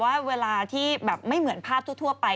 ว่าเวลาที่แบบไม่เหมือนภาพทั่วไป